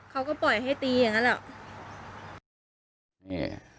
เขาก็ปล่อยให้ตีอย่างนั้นแหละ